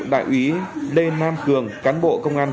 đại úy lê nam cường cán bộ công an